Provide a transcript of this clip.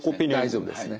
大丈夫ですね。